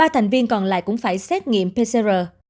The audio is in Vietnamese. ba thành viên còn lại cũng phải xét nghiệm pcr